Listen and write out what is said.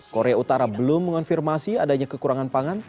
korea utara belum mengonfirmasi adanya kekurangan pangan